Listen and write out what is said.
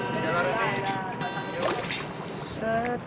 jangan lupa ya